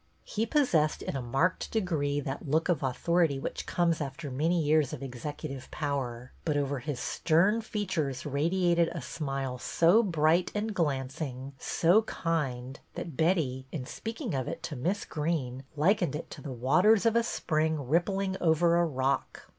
He possessed in a marked degree that look of authority which comes after many years of executive power ; but over his stern features radiated a smile so bright and glancing, so kind, that Betty, in speaking of it to Miss Greene, lik ened it to the waters of a spring rippling over a rock.